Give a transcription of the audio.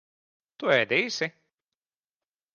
Tu ēdīsi?